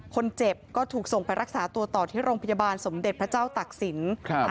คนเจ็บก็ถูกส่งไปรักษาตัวต่อที่โรงพยาบาลสมเด็จพระเจ้าตักศิลป์